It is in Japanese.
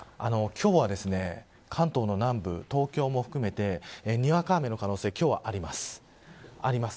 今日は関東の南部東京も含めてにわか雨の可能性今日はあります。